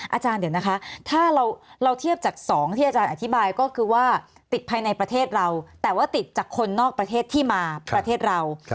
อาจารย์เดี๋ยวนะคะถ้าเราเทียบจาก๒ที่อาจารย์อธิบายก็คือว่าติดภายในประเทศเราแต่ว่าติดจากคนนอกประเทศที่มาประเทศเรา